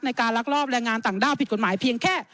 ในการลักลอบแรงงานต่างด้าวผิดกฎหมายเพียงแค่